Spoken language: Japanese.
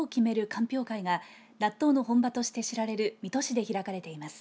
鑑評会が納豆の本場として知られる水戸市で開かれています。